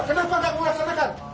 kenapa gak kamu laksanakan